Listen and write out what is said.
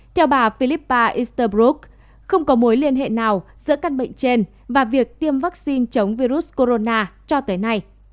theo bà philippa instabroup không có mối liên hệ nào giữa căn bệnh trên và việc tiêm vaccine chống virus corona cho tới nay